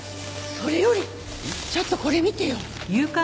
それよりちょっとこれ見てよ！